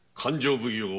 奉行